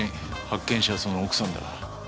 発見者はその奥さんだ。